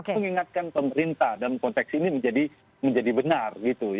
mengingatkan pemerintah dalam konteks ini menjadi benar